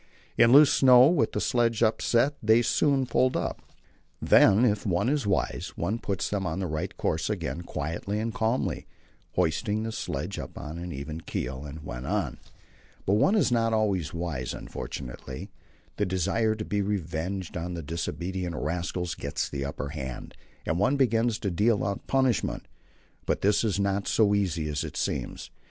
In loose snow with the sledge upset they soon pulled up. Then, if one was wise, one put them on the right course again quietly and calmly, hoisted the sledge on to an even keel, and went on. But one is not always wise, unfortunately. The desire to be revenged on the disobedient rascals gets the upper hand, and one begins to deal out punishment. But this is not so easy as it seems.